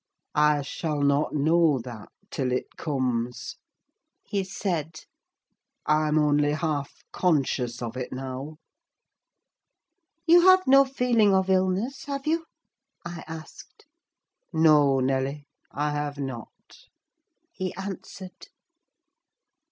"I shall not know that till it comes," he said; "I'm only half conscious of it now." "You have no feeling of illness, have you?" I asked. "No, Nelly, I have not," he answered.